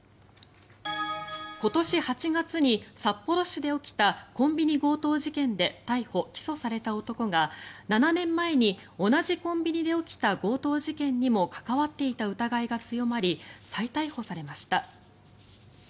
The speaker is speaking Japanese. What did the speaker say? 今年８月に札幌市で起きたコンビニ強盗事件で逮捕・起訴された男が７年前に同じコンビニで起きた強盗事件にも関わっていた疑いが強まり再逮捕されました。